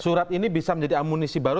surat ini bisa menjadi amunisi baru